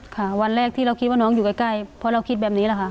ค่ะวันแรกที่เราคิดว่าน้องอยู่ใกล้เพราะเราคิดแบบนี้แหละค่ะ